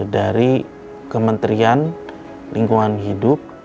dari kementerian lingkungan hidup